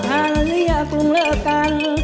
พันเรียกกุ้งเหลือกัน